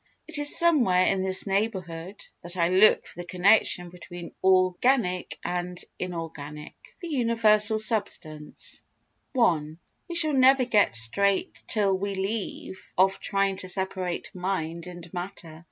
It is somewhere in this neighbourhood that I look for the connection between organic and inorganic. The Universal Substance i We shall never get straight till we leave off trying to separate mind and matter.